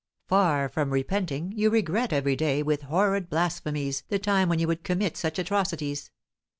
Far from repenting, you regret every day, with horrid blasphemies, the time when you could commit such atrocities.